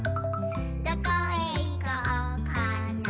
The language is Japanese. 「どこへいこうかな」